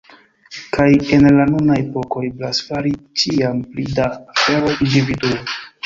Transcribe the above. Kaj en la nuna epoko eblas fari ĉiam pli da aferoj individue.